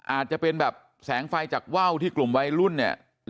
อาจจะเป็นแบบแสงไฟจากว่าวที่กลุ่มวัยรุ่นเนี่ย